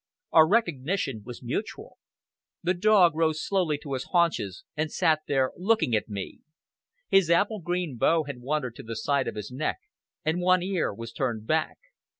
Our recognition was mutual. The dog rose slowly to his haunches, and sat there looking at me. His apple green bow had wandered to the side of his neck, and one ear was turned back.